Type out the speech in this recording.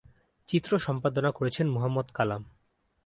চিত্র সম্পাদনা করেছেন মোহাম্মদ কালাম।